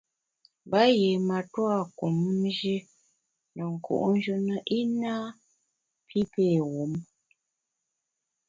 Mba yié matua pé kum Nji ne nku’njù na i napi pé wum.